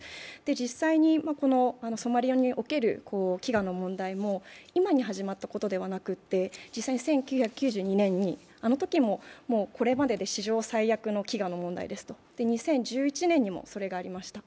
実際にソマリアにおける飢餓の問題も今に始まったことではなくて、実際に１９９２年にも、これまでで史上最悪の飢餓の問題、そして２０１１年にもそれがありました。